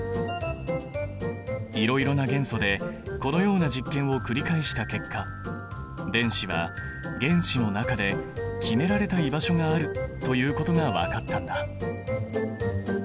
いろいろな元素でこのような実験を繰り返した結果電子は原子の中で決められた居場所があるということが分かったんだ。